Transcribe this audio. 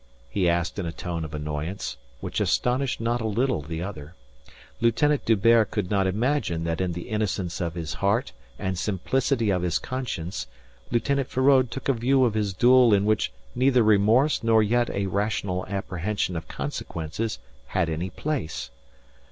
he asked in a tone of annoyance, which astonished not a little the other. Lieutenant D'Hubert could not imagine that in the innocence of his heart and simplicity of his conscience Lieutenant Feraud took a view of his duel in which neither remorse nor yet a rational apprehension of consequences had any place.